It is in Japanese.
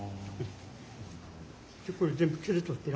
これ全部切り取ってな。